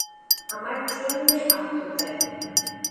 আমার জন্যে আত্মত্যাগ।